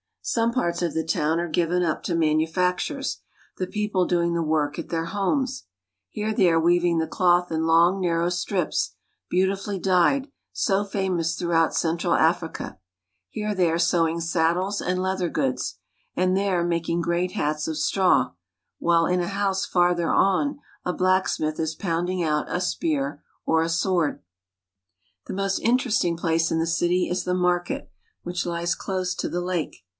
Some parts of the town are given up to manufactures, the people doing the Citizen, of K^no. ^,^^^^^ ^^^j^. j^^meS. Heretheyare weaving the cloth in long narrow strips beauti fully dyed, so famous throughout central Africa ; here they are sewing saddles and leather goods; and there making great hats of straw; while in a house farther on a black smith ii! pounding out a spear or a sword. The most interesting place in the city is the market, which lies close to the lake.